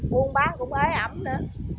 buôn bán cũng ế ẩm nữa